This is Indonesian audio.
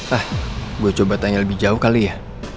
ah gue coba tanya lebih jauh kali ya